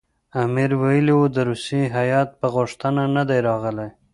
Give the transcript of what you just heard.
امیر ویلي وو د روسیې هیات په غوښتنه نه دی راغلی.